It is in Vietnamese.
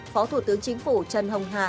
phó thủ tướng chính phủ trần hồng hà